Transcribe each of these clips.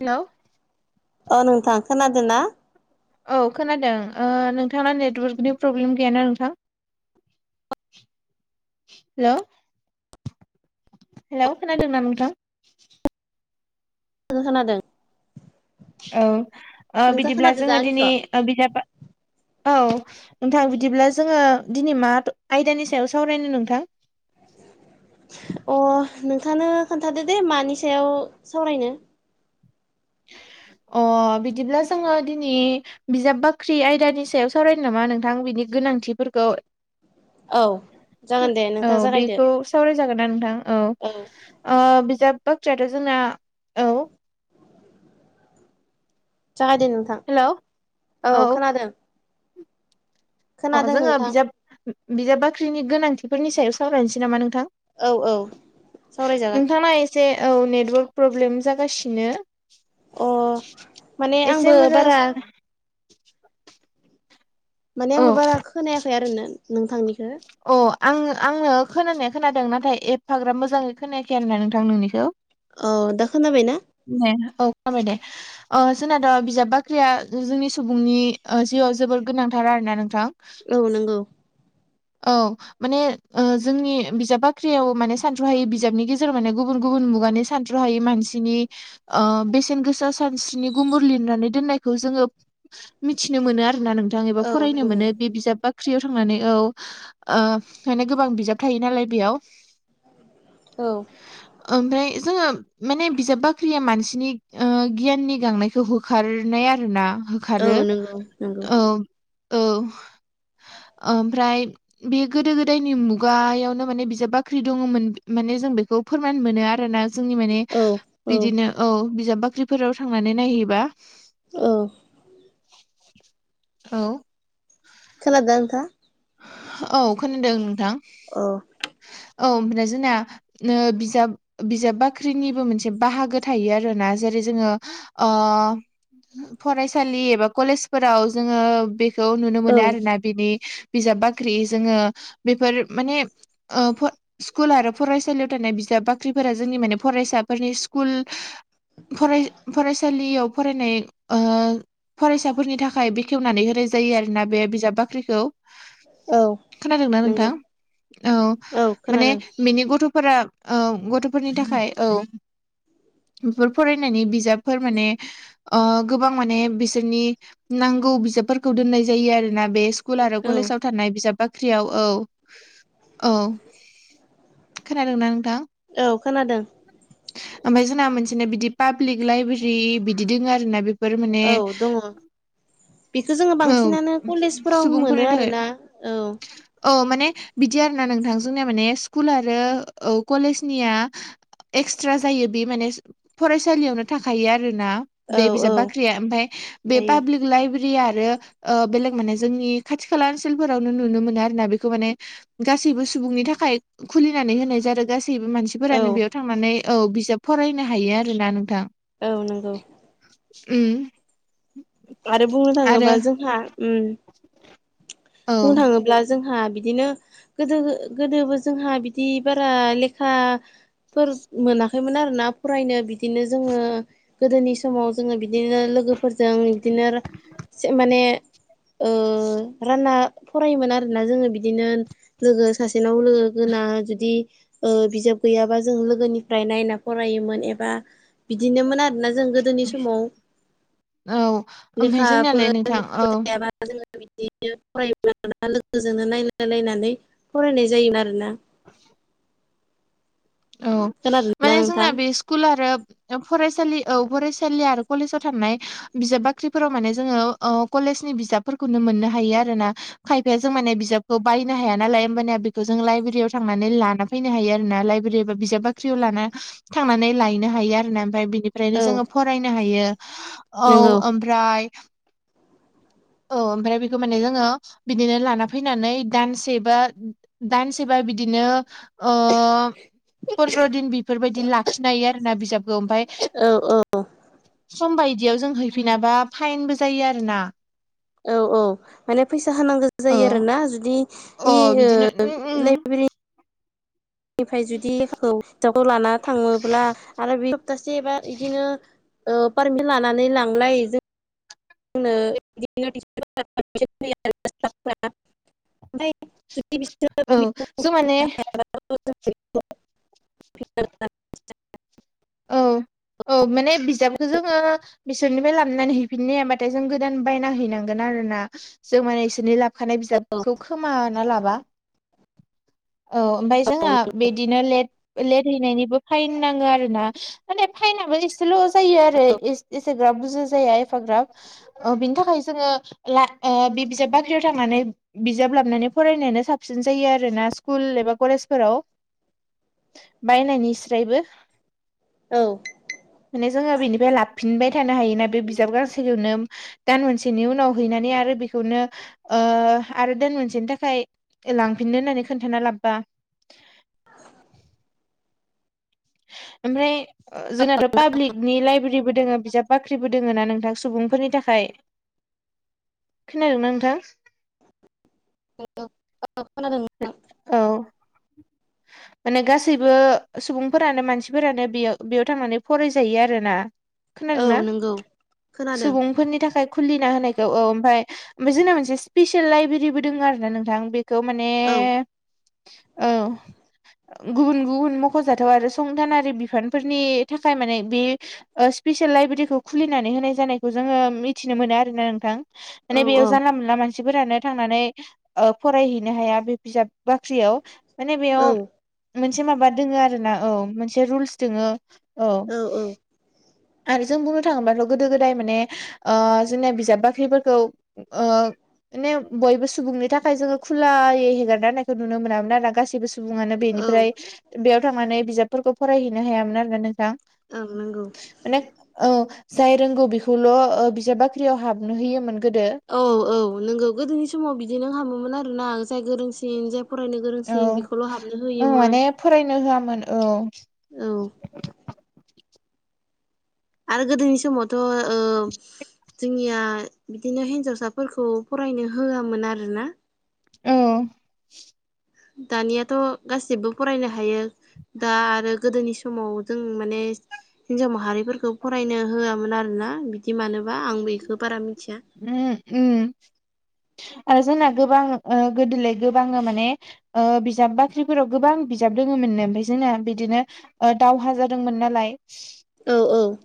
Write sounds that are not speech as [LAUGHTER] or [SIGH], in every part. हेल' ओ नोंथां खोनादों ना? औ खोनादों। ओ नोंथांना नेटवर्कनि प्रब्लेम गैयाना नोंथां? हेल' हेल' खोनादों ना नोंथां? औ खोनादों। औ ओ नोंथाङा बिदिब्ला खोनादो दा जोङो आंनिखौ? दिनै ओ बिजाबा औ नोंथां बिदिब्ला जोङो दिनै मा आयदानि सायाव सावरायनो नोंथां? अ नोंथांनो खोन्थादो दे मानि सायाव सावरायनो। अ बिदिब्ला जोङो दिनै बिजाब बाख्रि आयदानि सायाव सावरायनो नामा नोंथां बिनि गोनांथिफोरखौ औ जागोन दे औ नोंथां जागायदो बेखौ सावराय जागोनना नोंथां औ। ओ बिजाब बाख्रियाथ' जोंना औ जागाय दे नोंथां हेलौ औ खोनादों। अ खोनादों जोङो नोंथां बिजाब बिजाब बाख्रिनि गोनांथिफोरनि सायाव सावरायनोसै नामा नोंथां? औ औ सावरायजागोन। से औ नेटवार्क प्रब्लेम जागासिनो। अ माने आंबो एसे मोजां बारा माने औ आंबो बारा खोनायाखै आरो ना नोंथांनिखो। अ आं आंनो खोनानाया खोनादों नाथाय एफाग्रबा मोजाङै खोनायाखै आरोना नोंथां नोंनिखौ। औ दा खोनाबाय ना? दे औ खाबाय दे। ओ सोनाद' बिजाब बाख्रिया जोंनि सुबुंनि ओ जिउआव जोबोर गोनांथार आरोना नोंथां। औ नोंगौ। औ। माने ओ जोंनि बिजाब बाख्रियाव माने सानथ्र'हायि बिजाबनि गेजेराव माने गुबुन गुबुन मुगानि सानथ्र'हायै मानसिनि ओ बेसेन गोसा सानस्रिनि गुमबुर लिरनानै दोननायखौ जोङो मिथिनो मोनो आरोना नोंथां एबा औ फरायनो नंगौ मोनो बे बिजाब बाख्रियाव थांनानै औ। ओ ओंखायनो गोबां बिजाब थायो नालाय बेयाव औ। ओमफ्राय जोङो माने बिजाब बाख्रिया मानसिनि ओ गियाननि गांनायखौ होखारनाय आरोना। औ खारो नंगौ नंगौ औ औ ओमफ्राय बे गोदो गोदायनि मुगायावनो माने बिजाब बाख्रि दङमोन माने जों बेखौ फोरमान मोनो आरोना। जोंनि माने औ औ बिदिनो औ बिजाब बाख्रिफोराव थांनानै नायहैबा औ। औ। खोनादोंना नोंथांआ? औ खोनादों नोंथां। अ। औ ओमफ्राय जोंना नो बिजाब बिजाब बाख्रिनिबो मोनसे बाहागो थायो आरोना। जेरै जोङो ओ फरायसालि एबा कलेजफोराव जोङो बे खौ नुनो औ मोनो आरोना बिनि बिजाब बाख्रि जोङो बेफोर माने ओ फो स्कुल आरो फरायसालियाव थानाय बिजाब बाख्रिफोरा जोंनि माने फरायसाफोरनि स्कुल फराय-फरायसालियाव फरायनाय ओ फरायसाफोरनि थाखाय बेखेवनानै होनाय जायो आरोना बे बिजाब बाख्रिखौ। औ। खोनादोंना नंगौ नोंथां? औ माने बेनि गथ'फोरा ओ गथ'फोरनि थाखाय औ बेफोर फरायनायनि बिजाबफोर माने ओ गोबां माने बिसोरनि नांगौ बिजाबफोरखौ दोननाय जायो आरोना बे स्कुल आरो औ कलेसआव थानाय बिजाब बाख्रियाव औ औ। खोनादोंना नोंथां? औ खोनादों ओमफ्राय जोंना मोनसेनो बिदि पाब्लिक लाइब्रेरि बिदि दङ आरोना औ ने दङ बेखौ जोङो बांसिनानो कलेजफोराव सुबुंफोरनि मोनो थाखाय आरोना औ औ माने बिदि आरो ना नोंथां जोंनिया माने स्कुल आरो औ कलेजनिया एक्सट्रा जायो बे माने फरायसालियावनो थाखायो आरोना औ बे औ बिजाब बाख्रिया ओमफ्राय बे जायो पाब्लिक लाइब्रेरि आरो ओ बेलेग माने जोंनि खाथि खाला ओनसोलफोरावनो नुनो मोनो आरो ना बेखौ माने गासैबो सुबुंनि थाखाय खुलिनानै होनाय जादों गास सैबो मानसिफोरानो औ बेयाव थांनानै औ बिजाब फरायनो हायो आरोना नोंथां। औ नंगौ। उम आरो बुंनो आरो थाङोबा जोंहा उम औ बुंनो थाङोब्ला जोंहा बिदिनो गोदो गोदोबो जोंहा बिदि बारा लेखा फोर मोनाखैमोन आरोना फरायनो बिदिनो जोङो गोदोनि समाव जोङो बिदिनो लोगोफोरजों बिदिनो माने ओ रानना फरायोमोन आरोना जोङो बिदिनो लोगो सासेनाव लोगो गोना जुदि ओ बिजाब गैयाबा जों लोगोनिफ्राय नायना फरायोमोन एबा बिदिनोमोन आरोना जों गोद गोदोनि समाव औ ओमफाय जोंनालाय लेखाफोर नोंथां औ [INAUDIBLE] [INAUDIBLE] नायलाय लायनानै फरायनाय जायोमोन आरोना। [INAUDIBLE] औ खोनादोंना माने जोंना नोंथां बे स्कुल आरो फरायसालि औ फरायसालि आरो कलेजाव थांनाय बिजाब बाख्रिफोराव माने जोङो ओ कलेजनि बिजाबफोरखौनो मोननो हायो आरो ना खायफाया जों माने बिजाबखौ बायनो हाया नालाय होमबानिया बेखौ जों लाइब्रेरियाव थांनानै लाना फैनो हायो आरोना लाइब्रेरि बिजाब बाख्रियाव लाना थांनानै लायनो हायो आरोना ओमफ्राय बिनिफ्रायनो औ जोङो फरायनो हायो औ नंगौ ओमफ्राय औ ओमफ्राय बेखौ दा माने जोङो बिदिनो लाना फैनानै दान्सेबा दानसेबा बिदिनो ओ फन्द्र' दिन बेफोरबायदि लाखिनो हायो आरो ना बिजाबखौ ओमफाय औ औ समबायदियाव जों हैफिनाबा फाइनबो जायो आरोना औ औ माने फैसा होनांगौ औ जायो आरो ना जुदि अ बिदिनो उम उम निफ्राय जुदि लेखौ बिजाबखौ लाना थाङोब्ला आरो बे सप्तासेबा बिदिनो ओ [INAUDIBLE] लानानै लांलाय जों [INAUDIBLE] ओमफ्राय जुदि बिसोरो औ ज' माने [INAUDIBLE] औ औ माने बिजाबखौ जोङो बिसोरनिफ्राय लाबोनानै हैफिननो हाबाथाय जों गोदान बायना हैनांगोन आरोना जों माने इसोरनि लाब खानाय बिजाबखौ खोमाना लाबा औ ओमफ्राय जोंहा बिदिनो लेट लेट हैनायनिबो फाइन नाङो आरोना। माने फाइनाबो एसेल' जायो आरो एस एसेग्राब बुरजा जाया फाग्राब बिनि थाखाय जोङो ला बे बिजाब बाख्रियाव थांनानै बिजाब लाबनानै फरायनायानो साबसिन जायो आरोना स्कुल एबा कलेजफोराव बायनायनिस्रायबो औ माने जोङो बेनिफ्राय लाबोफिनबाय थानो हायोना बे बिजाब गांसेखौनो दान मोनसेनि उनाव हैनानै आरो बेखौनो ओ आरो दान मोनसेनि थाखाय लांफिननो होननानै खोन्थाना लाबबा ओमफ्राय जोंनाथ' पाब्लिकनि लाइब्रेरि दोङो बिजाब बाख्रिबो दोङो ना नोंथां सुबुंफोरनि थाखाय खोनादों ना नोंथां? [UNINTELLIGIBLE] ओ खोनादों। औ। माने गासैबो सुबुंफोरानो मानसिफोरानो बेयाव बेयाव थांनानै फरायजायो आरो ना। औ खोनादोंना? नंगौ खोनादों सुबुंफोरनि थाखाय खुलिना होनायखौ औ ओमफ्राय ओमफ्राय जोंना मोनसे स्पपिसियेल लाइब्रेरिबो दङ आरो ना नोंथां बे खौ माने औ औ। गुबुन गुबुन मख'जाथाव आरो संथानारि बिफानफोरनि थाखाय माने बे ओ स्पिसियेल लाइब्रेरिखौ खुलिनानै होनाय जानायखौ जोङो मिथिनो मोनो आरोना नोंथां। औ माने औ बेयाव जानला मोनला मानसिफोरानो थांनानै ओ फरायहैनो हाया बे बिजाब बाख्रियाव माने बेयाव मोनसे माबा दोङो आरो ना औ मोनसे रुलस दोङो औ आरो जों बुंनो थाङोबाथ' गोदो गोदाय माने ओ जोंना बिजाब बाख्रिफोरखौ ओ माने बयबो सुबुंनि थाखाय जोङो खुलायै हगारना होनायखौ नुनो मोनामोन आरो ना गाससिबो सुबुङानो औ बेनिफ्राय बेयाव थांनानै बिजाबफोरखौ फरायहैनो हायामोन आरोना नोंथां। औ नंगौ। माने औ जाय रोंगौ बेखौल' ओ बिजाब बाख्रियाव हाबनो होयोमोन गोदो। औ औ नोंगौ गोदोनि समाव बिदि नों हामोमोन आरोना जाय गोरोंसि सिन‌ जाय फरायनो औ गोरोंसिन बेखौल' हाबनो औ माने होयोमोन फरायनो होआमोन औ। औ। आरो गोदोनि समावथ' [UNINTELLIGIBLE] जोंनिया बिदिनो हिनजावसाफोरखौ फरायनो होआमोन आरोना औ। दानियाथ' गासिबो फरायनो हायो। दा आरो गोदोनि समाव जों माने हिनजाव माहारिफोरखौ फरायनो होआमोन आरोना बिदि मानोबा आं बेखो बारा मिथिया। उम उम आरो जोंना गोबां गोदोलाय गोबाङ माने ओ बिजाब बाख्रिफोराव गोबां बिजाब दोङोमोननो ओमफाय जोंना बिदिनो दावहा जादोंमोन नालाय औ औ।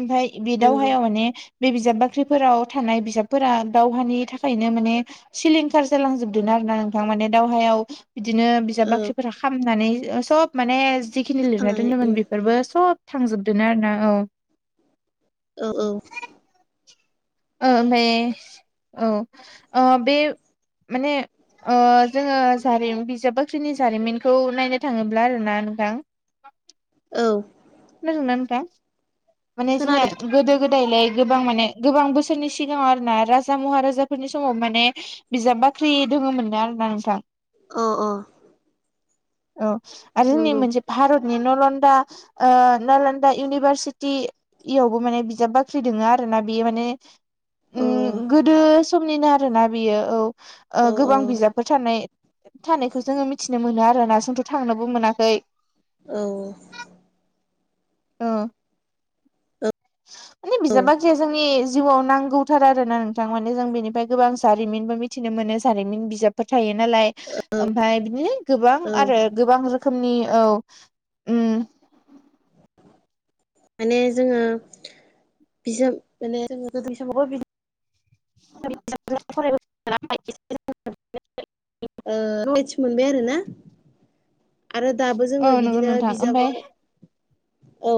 ओमफाय बि नंगौ दावहाय माने बे बिजाब बाख्रिफोराव थानाय बिजाबफोरा दावहानि थाखायनो माने सिलिंखार जालांजोबदों आरो ना नोंथां माने दावहायाव बिदिनो बिजाब औ बाख्रिफोरा खामनानै सब माने जिखिनि लिरना खोनादों दोनदोमोन बे बेफोरबो सब थांजोबदोनो आरो ना औ। औ औ। ओ ओमफाय औ ओ बे माने ओ जोङो जारिमिन बिजाब बाख्रिनि जारिमिनखौ नायनो थाङोब्ला आरोना नोंथां औ। खोनादोंना नोंथा? माने जोंना खोनादों गोदो गोदायलाय गोबां माने गोबां बोसोरनि सिगाङाव आर ना राजा महाराजाफोरनि समाव माने बिजाब बाख्रि दोङोमोननो आरोना नोंथां। अ' अ'। औ आरो जोंनि नंगौ मोनसे भारतनि नलन्दा ओ नोलोन्दा इउनिभारसिटि इयावबो माने बिजाब बाख्रि दोङो आरो ना बेयो माने अ उम गोदो समनिनो आरोना बेयो औ ओ अ गोबां बिजाब फोर थानाय थानायखौ जोङो मिथिनो मोनो आरोना जोंथ' थांनोबो मोनाखै। औ। औ माने बिजाब बाख्रिया जोंनि जिउआव नांगौथार आरो ना नोंथां माने जों बेनिफ्राय गोबां जारिमिनबो मि थिनो मोनो जारिमिन बिजाबफोर थायो नालाय। औ। ओमफाय बिदिनो गोबां आरो गोबां रोखोमनि औ उम माने जोङो बिजाब माने जोङो गोदोनि समावबो बि [INAUDIBLE] फराय [UNINTELLIGIBLE] [UNINTELLIGIBLE] ओ नलेटस मोनबाय आरोना। आरो दाबो औ जोङो नंगौ बिदिनो नोंथां ओमफ्राय बिजाबाव औ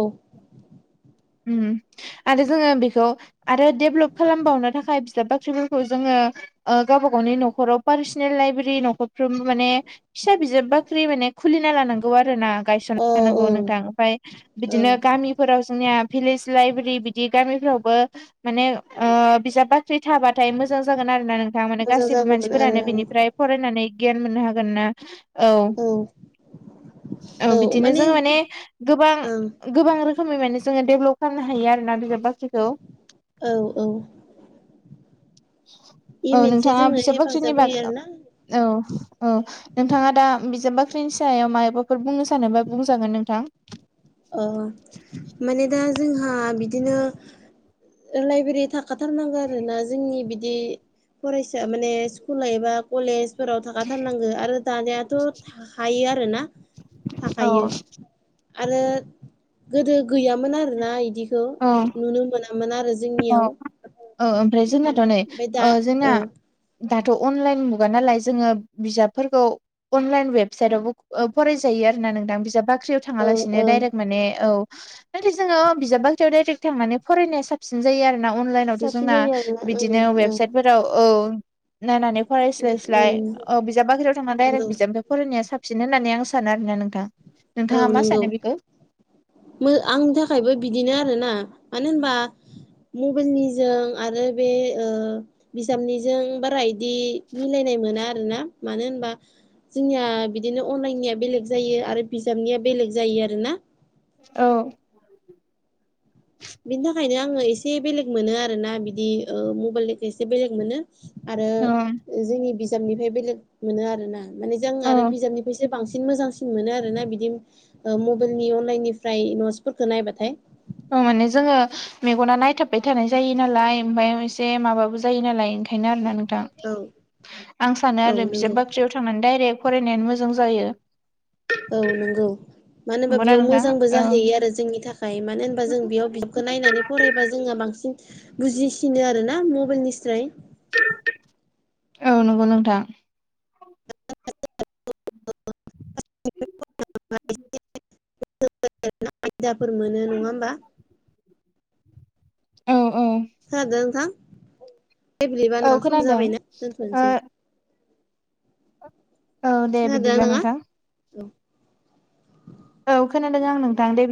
उम। आरो जोङो बेखौ आरो डेभलप खालामबावनो थाखाय बिजाब बाख्रिफोरखौ जोङो ओ गावबा गावनि न'खराव पार्सनेल लाइब्रेरि न'खरफ्रोम माने फिसा बिजाब बाख्रि माने खुलिना लानांगौ आरो ना। अ गायसनना होनांगौ ओं नोंथां ओमफाय ओं बिदिनो गामिफोराव जोंनिया भिलेज लाइब्रि बिदि गामिफ्रावबो माने ओ बिजाब बा ख्रि थाबाथाय मोजां जागोन आरो ना नोंथा माने मोजां गासिबो जागौमोन आरो मानसिफोरानो बिनिफ्राय फरायनानै गियान मोननो हागोन ना। औ औ बिदिनो जोङो माने गोबां ओं गोबां रोखोमै माने जोङो डेभलप खालामनो हायो आरोना बिजाब बाख्रिखौ। औ औ। बे ओ मोनसे नोंथाङा जोंनो बिजाब बाख्रिनि हेफाजाब होयो बाग आरोना औ औ। नोंथाङा दा बिजाब बाख्रिनि सायाव मायबाफोर बुंनो सानोबा बुंजागोन नोंथां। अ माने दा जोंहा बिदिनो ओ लाइब्रेरि थाखाथारनांगौ आरो ना जोंनि बिदि फरायसा माने स्कुल एबा कलेजफोराव थाखाथारनांगो आरो दानियाथ' हायो आरोना औ थाखायो आरो गोदो गैयामोन आरोना इदिखौ औ नुनो मोनामोन आरो जोंनियाव। ओ ओमफ्राय जोंनाथ' नै ओमफ्राय दा ओ औ जोंना दाथ' अनलाइन मुगा नालाय जोङो बिजाबफोरखौ अनलाइन वेबसाइटवबो ओ फरायजायो आरोना नोंथां बिजाब साख्रियाव थाङा ओं लासिनो ओं दाइरेक्ट माने औ नाथाय जोङो बिजाब बा टूराइटेक्ट थांनानै फरायनाया साबसिन जायो आरोना अनलाइ नावथ' साबसिन जोंङा जायो आरोना ओं बिदिनो ओं वेबसाइटफोराव औ नायनानै बि फरायस्लायस्लाय ओं ओ बिजाब बाख्रियाव थांनानै डाइरेक्ट नंगौ बिजाब फरायनाया साबसिन होननानै आं सानो आरोना नोंथां। औ नोंथाङा मा नोंगौ सानो बेखौ मो आंनि थाखायबो बिदिनो आरोना मानो होनबा मबाइल निजों आरो बे ओ बिजाबनिजों बारा इ दि मिलायनाय मोना आरो ना। मानो होनबा जोंनिया बिदिनो अनलाइननिया बेलेग जायो आरो बिजाबनिया बेलेग जायो आरो ना। औ। बिनि थाखायनो आङो एसे बेलेग मोनो आरो ना बिदि मबाइलनिखो एसे बेलेग मोनो ‌ आरो ओं जोंनि बिजाबनिफ्राय बेलेग मोनो आरोना माने जों औ आरो बिजाबनिफ्रायसो बांसिन मोजांसिन मोनो आरोना बिदि ओ मबाइलनि अनलाइन निफ्राय नटसफोरखौ नायबाथाय। ओ माने जोङो मेगना नायथाबबाय थानाय जायो नालाय ओमफाय एसे माबाबो जायो नालाय बेनो आरोना नोंथां औ आं सानो औ आरो नंगौ बिजाब बाख्रि ट्रियाव थांनानै दाइरेक्ट फरायनायानो मोजां जायो औ नंगौ मानो होनबा नंगौना बेयाव नोंथां? मोजांबो औ जाहैयो आरो जोंनि थाखाय मानो होनबा जों बेयाव बिखौ नायनानै फरायबा जोंङा बांसिन बुजिसिनो आरो ना मबाइल निस्राय। औ नंगौ नोंथां। [UNINTELLIGIBLE] आयदाफोर मोनो नङा होमबा [INAUDIBLE] औ औ खोनादोना नोंथां दे बिदिब्ला औ नोंथां सम खोनादों जाबायना ओ दोनथ'नोसै। औ दे खोनादों बिदिब्ला नोंथाङा नोंथां। औ खोनादों आं नोंथां दे